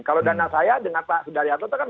kalau dana saya dengan pak sundarianto itu kan